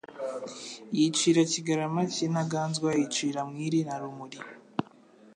yicira Kigarama cy'Intaganzwa, yicira Mwiri na Rumuli.